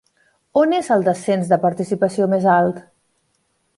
On és el descens de participació més alt?